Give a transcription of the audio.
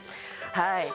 はい。